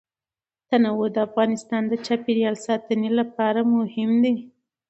تنوع د افغانستان د چاپیریال ساتنې لپاره مهم دي.